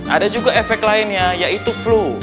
ada juga efek lainnya yaitu flu